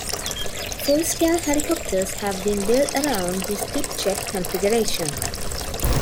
Full-scale helicopters have been built around this tip jet configuration.